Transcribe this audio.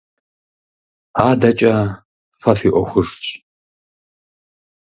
АдэкӀэ фэ фи Ӏуэхужщ.